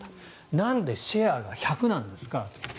なんでシェアが１００なんですか。